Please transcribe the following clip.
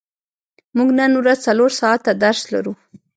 موږ نن ورځ څلور ساعته درس لرو.